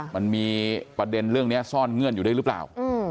มันมีประเด็นเรื่องนี้ซ่อนเงื่อนอยู่ด้วยหรือเปล่า